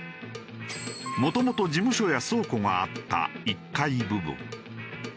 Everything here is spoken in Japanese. もともと事務所や倉庫があった１階部分。